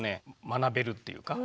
学べるっていうか。